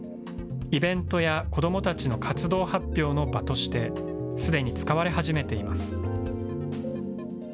イベントや子どもたちの活動発表の場として、すでに使われ始めています。